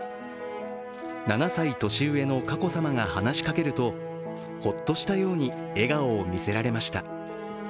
７歳年上の佳子さまが話しかけるとほっとしたように笑顔を見せられました。